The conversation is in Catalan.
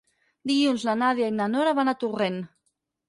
Dilluns na Nàdia i na Nora van a Torrent.